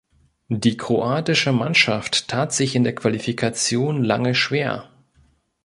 Die kroatische Mannschaft tat sich in der Qualifikation lange schwer.